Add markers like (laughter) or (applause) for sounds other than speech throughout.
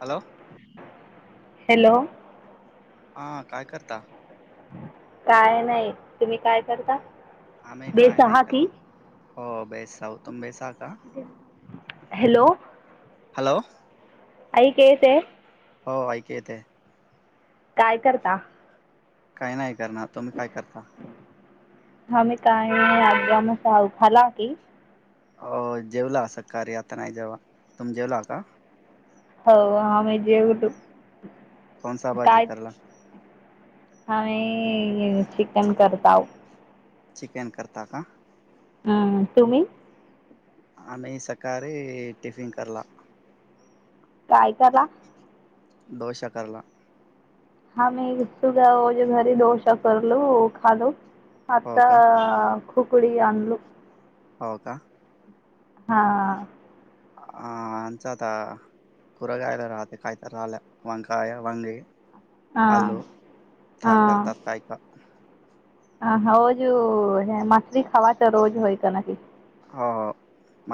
Hello. Hello. हा काय करता? काय नाही तुम्ही काय करता? आमही काय नाही बेसहा की करणार हो बेस जाऊ तुम् बेस का. हॅलो. हॅलो. अई केस आहे. हो ऐक येते. काय करता काय नाय करणार तुम्ही काय करता आमी काय नाय (unintelligible) हो जेवला सकरी आता नाही जेवा तुम् जेवला का? (unintelligible) कोणसाभाजी करला हाम्ही चिकन करताव चिकन करता का? हं तुम्ही आम्ही सकारी टिफिन करला काय करला डोषा करला (unintelligible) हो आता का (unintelligible) हो का? हा (unintelligible) हा हा (unintelligible) (unintelligible) हो.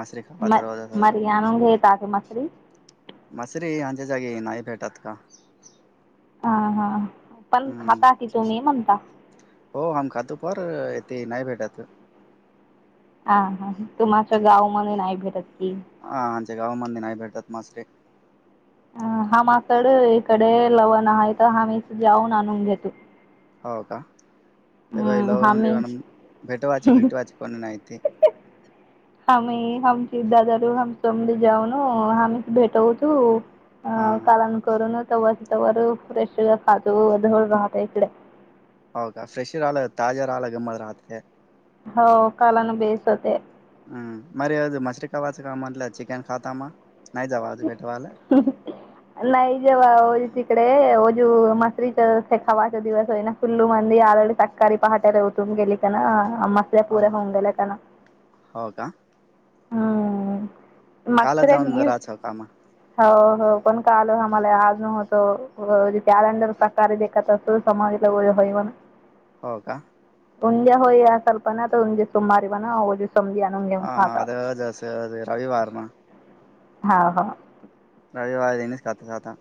मसरी खावाच रोज (unintelligible) (unintelligible) हम्म (unintelligible) (unintelligible) (unintelligible) (unintelligible) (unintelligible) (unintelligible) हम्म, आम्ही (unintelligible) (unintelligible) (unintelligible) हा (unintelligible) (unintelligible) (unintelligible) (unintelligible) (unintelligible) आज भेटवायला नाई जेवावल्ति इकडे ओजू मसरीचं शेखावाचा दिवस होईना फुल्लू मंदी आरळी सक्कारी पहाट्याला उठून गेली का हो ना हो का (unintelligible) हां कालच जाऊन जराच कामा हो हो पण काल आम्हाला आज (unintelligible) हो का? (unintelligible) घेऊन खातात (unintelligible) हां हां. रविवारी नाही खात का आता?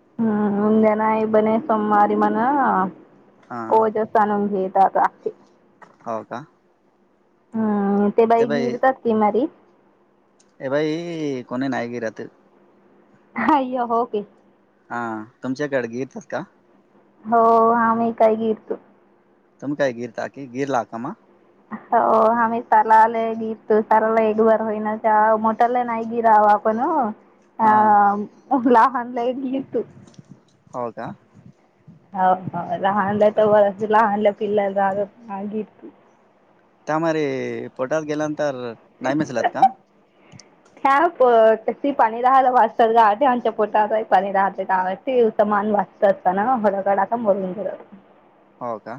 (unintelligible) हा (unintelligible) (unintelligible) हो का? हं. अं ते बाई गिरतात की मरी. ए बई इ कोणी नायी गिरते. हाय्यहोके. हां हां तुमच्याकडे घे तात का? हो आा मी काही घरतो तम काय गीर ताकी गेर लाकामा हो आम्ही तला आल गिरतो सलाला एक बार होईना मोटला नाही गिरावं आपण हो हा अला हलाईनलीू हो का हो हो लहानला तर बच लहानला पिल्लाला रागत मागी त्यामर पटाद गेला तर नाही मिसलात का हा ती पाणी राहायला वाजतात गाव आमच्या पोटा पाणी राहते गाव तचा मान वाजत असतना हडगडाता मरून घरत हो का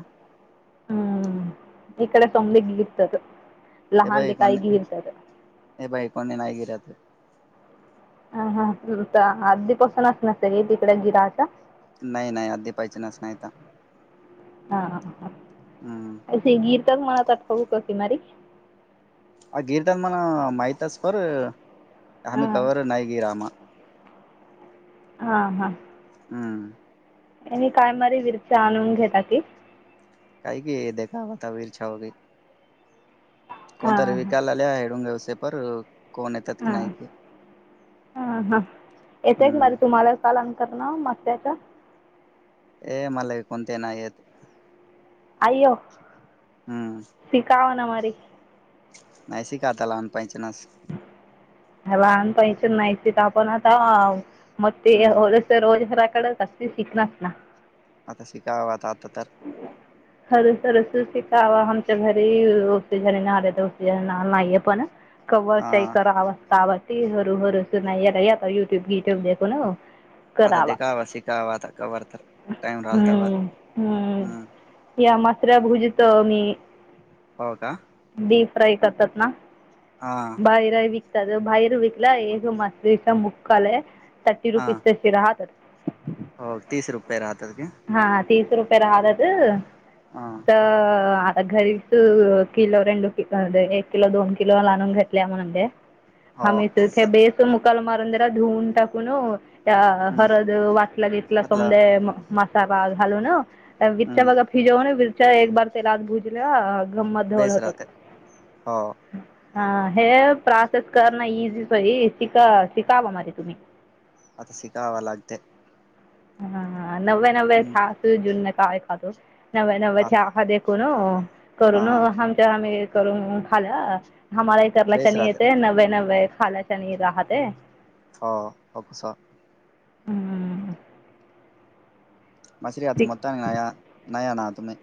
हम्म इकडे समली गीतच हे बाई को हे बाई कोने नाही गिरत हम हा आधदीपसूनच नसरी तिकड गिराचा नाही नाही आधी पाहिजेनच नाही तर हा हा ह हा हम्म मनात ठवूक कि मारी अ गिरटन मला माहिताजकर त्याम हा कावरवर नायकी रामा हा हा. हमं. आणि कायमारी विरच्या आणून घेता की, काय की देखावतावीरछा होगई हा कोणतरी हा विकालाल्या हडून ते पर कोण येतात की हा नाही की हा हा येतेय कि माझ हम्म तुम्हाला काल करतना मास्त्याच्या ए मला कोणते नाही येत आओ हम्म शिकावा ना मारे नाहीसे का आता लहानपहिचनास लहानपणीचे नायशि टॉप पण आता म ते हम्म हॉलसे रोज हराकडच आती शिकणास ना. आता शिकावाचा आत खरं तरर सु शिकावा आमच्या घरी रोज त्ये घर ना आहे तरती नाव नाहीये पण, अ कवाच्याईकरआवस्ताव ती हरू हर सुना याला या आप युट्युब घीट्यूब देख न आता देखावा शिकावा आता कवारतर टाइम राहिल तेव्हा हम्म हम्म या मा दुसऱ्या भुजित अ.. मी हो का ट्राई करतात ना हा बाहेर आयवि तर बाहेर विकला आहे जुमात्रीचा मुक्कालय थर्टी हा रुपीज तशी राहातात. हो तीस रुपये राह तर काय तिस रुपये राहत्यात अ त आत घरीच अ--किलो रेडू किलो राहुदे एक किलो दोन किलो लाणून घेतल्या म्हणून ते हो हमेचथे स बेसो मु काल मारून जरा धुऊन टाकून हो. त्या हम्म हरद वाटला भेटला तुमले मतलब म मासा बाल हालून विरच्या हम्म बघा फि जाऊ ना (unintelligible) त एक बार त्याला भुजल बेस राहात हो हा हे प्रोसेस करणं इझीचय शिक शिकाव म तुम्ही आता शिकावा लागते हा हा नव्या नव्या हम्म सासू जुन्या काय खातो नव्या नव्या आ चहा देत कोणो हा करून आमच्या अमित करून खाल्लं आम्हाला इतर बेस लक्षणी राहते येते नवे नवे त खालाच्यानी राहते हो होक सा हम्म मशरियात ठीक मता नयाना तमे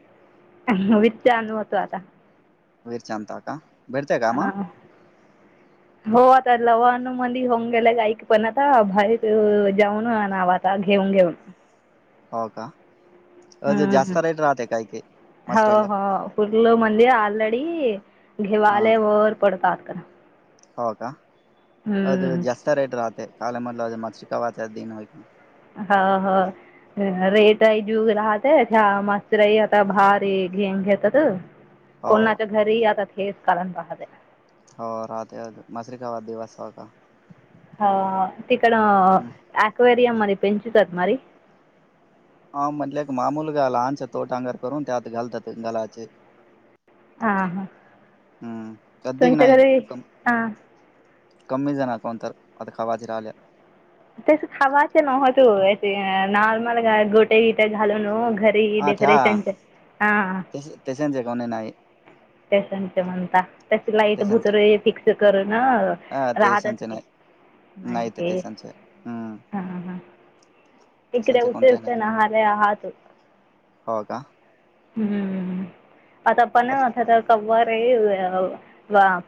विच ानू होत आता वरचांता का बडते कामा अं, हो आता लवानुमंद होऊन गेले गईक पण आता बाारी जाऊन नाव आता घेऊन घेऊन हो का अ हम्म जास्त रेट राहते काही काही ह् हो मछलीला हो पर्लं म्हंदि आऑलरेडी ह हा घेवाले वर पडतात करा हो का अज जास्त रेट राहते काले म माच कावाच द हो हा हा रेटई जूग राहत मस्तरई आता भारी घेंग घेतात कोणाच्या घरीही आतात हेस कळन पाहद ना हो राहते मशर काा वा दिवास का हो तिकड कवे या मरी पचतात मरी हा म्हटले का मामूलगा लहानचं तोट अंगार करून त्या आत घालतात गलाचे ह हा हम्म कधीक तुमच्या नाही घरी कम हां कमी जाणार कोणत आता खावााती राहिल्या ते खावाच नतो नर्मल ग गोटे गिट घा न घरी डेकोरेशन ते त्याश जगाणे नाही पशं म्हणता तशी लाईट तेशांचे भुतर फिक्स करून हा तेशांचे राहतात नाही नाही ते माहिती तेशांचे हम्म हा ह इकडे तेशांचे उत कोणते उ नाही ना ह र आह तू हो का हम्म आता पण े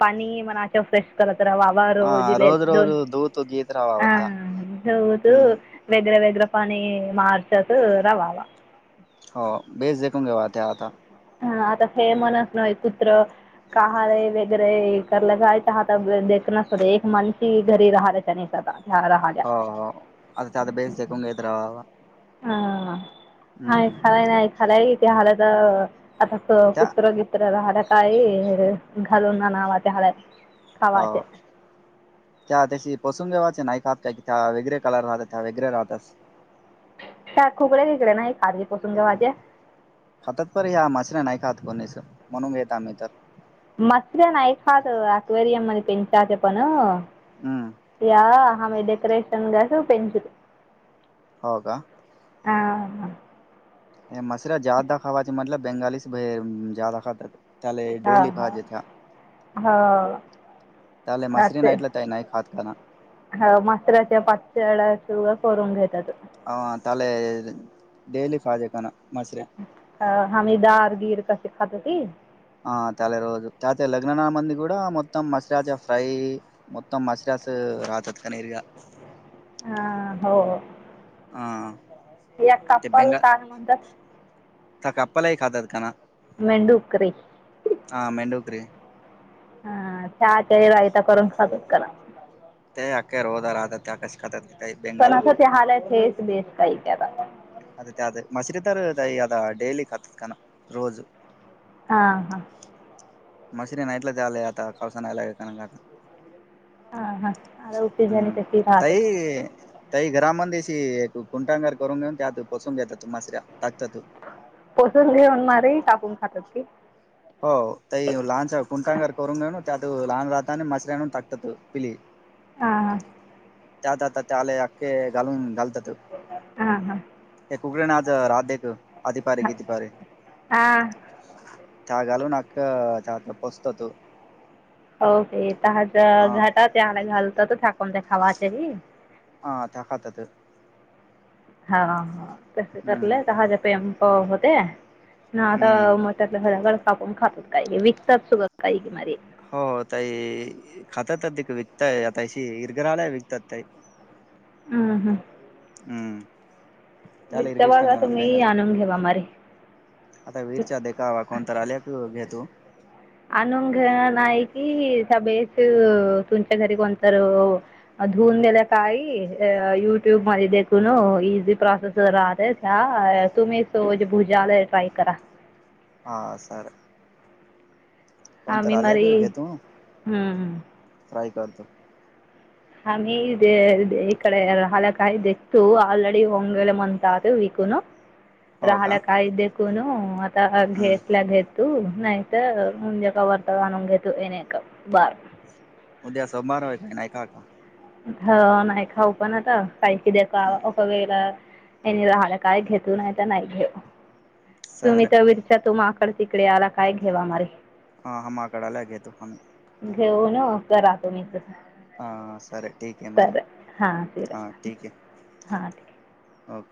पाणी म फ्रेश कर वा र हा रोज रोज दोन धुत गीत राहावा ह त्या हो हम्म वेग वेग पा मार्चच रवावा हो बेस देक घेव त्याता ह आता फेमणस नय कुत्र काहार वगैरे करलं जायच आताेत नसत एक मानशीी घरी राहयच्या निसता हो हो आताता बेस जकून घेत रावावा हा हाय खराय नाही खराय ते हलात आता त्या कुत्र गित्र राह काही घालून नावा त्या हला हो त्या पसूनंगेवाचे नाही खहात काय की त्या वेगरे कलर राहतात त्या वेगरे राहतात का खुकडे तिकडे ना खातातप या मचला नाही का हात कोण्याचं म्हणून घेत आम्ही तर मसले नऐकाद अक्वेरयम मनी त्यांचााज पण हम्म या आ म डेकरेशन गस पचते हो का हां हे मशर जदा खावाचे मतल बेंगालीच जदा खातात त्याले हा डेली पाहिजे त्या हा त्याले हा मसरी ते नाईटला त्या नाही खात काना हा मासराच्या पाचशळा्या करून घेतात अ तले डडेली पाजे काना मसऱ्या अ हमीिदारगिर क श खातती ह तले रोजू तत लग्नना मंद क मतम मसेरास फ्रई मतम मशरास रातात कनीरग ह हो हं या कप्पाल काय म्हणतात त्या कपपालाही खातात का ना मडूकरी मेंढुकरी हा चहाच्याारी रायता करून खात कला ते अकाक रोदार आत ते आकाश काात पण असं ते हालत हेच बेस काही ए अ ते अ मसरीदार अ डडेली का खतात काना रोजू हा हा मशीिरीन ईटला चचाले आता कळसा नाहीय लाग कान कात हा हा आता उपी झाली हम् तशी राहतात तही तही घ्र मंदीशी त कुंटांगार करून घेऊन त्यात पसून घेतात त मासऱ्या टाकतात तू पसून घेऊन मार काापून खातात की हो ते लहानच कुंटांगर करून घे ना त्यात लहान मसऱ्यान टाकत्यात पिली. हा त्यात आता त्याले अख्खे घालून घाल.. हा हा हा कुक नाद राधे फिल्म. आधीपार हा किती पार हा घालूूनक पोसतो तो. हो ते त आहेच. घाटा ते घाल त्यात सा कोणते खावा करी. हा त्या खातात हा.. हा तसच आपल. हम्म कहा गतय हो होत्या. ह आता हम्म मटातल आपण खातात काय? विकतात सुद्धा काही विकणारे. हो ताई खातात अधीक विकताय आता अशी विरजणाला विकतात ताई. ह्म्म्म ह्म्म.. ह्म्म.. त्याला हरगष्ांग बघा ना तुम्ही बेंगल आणून घे मारे आता विरच्या देखावा कोणत आलेक घेतो (unintelligible) अनुंग नाही कि त्या बेस तुमच्या घरी कोणत धुन दिल्या काही अ युट्युब मध्ये देखून इझी प्रोसेस राहत तुम्ही सज भुजाल ट्राय करा (unintelligible) हा सर. कोणतर आमही आल्याक मारी घेतो हम्म (unintelligible) फ्राय करतो. आ मही इकडे राले काय देक्तू आलरेडी होंगेले मणंत आत विकून (unintelligible) हो का राहल्या काय दे कोण (unintelligible) हम्म घेतल्या घेत (unintelligible) तू नाही तर म्हणजे कावररता जाणून घेतो येणेका बार (unintelligible) उद्या सोमवार व्हय नाही का का? (unintelligible) ह नाही. खाऊ पण आता पैकी हम्म देकावावेेला (unintelligible) त्यांनी राहला काय घेतू. नाही तर नाही घेत सर तुम्ही तर विरच्या त माग (unintelligible) तिकडे आला काय घेवा मारे. (unintelligible) हा हा माकडाला घेतो कोणी. घेऊन राहतो मी इथ. हा. सर ठीक आहे मर सर हा सर हा हा ठीक. ओफ